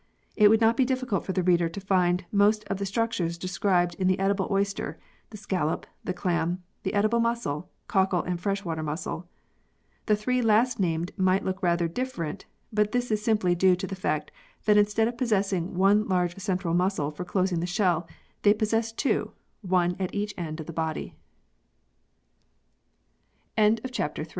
It would not be difficult for the reader to find most of the structures described in the edible oyster, the scallop, the clam, the edible mussel, cockle and fresh water mussel. The three last named might look rather different, but this is simply due to the fact that instead of possessing one large central muscle for closing the shell, they possess two, one